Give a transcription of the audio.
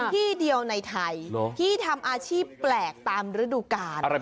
ที่เดียวในไทยที่ทำอาชีพแปลกตามฤดูกาล